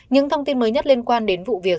những thông tin mới nhất liên quan đến vụ việc